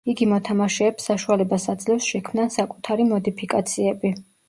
იგი მოთამაშეებს საშუალებას აძლევს შექმნან საკუთარი მოდიფიკაციები.